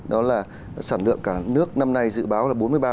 đó là sản lượng cả nước năm nay dự báo là